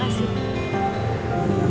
tunggu sebentar ya mbak